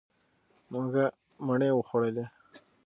مونږه مڼې وخوړلې.